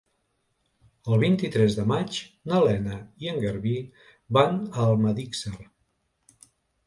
El vint-i-tres de maig na Lena i en Garbí van a Almedíxer.